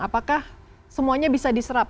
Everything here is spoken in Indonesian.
apakah semuanya bisa diserap